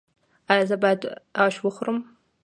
ایا زه باید اش وخورم؟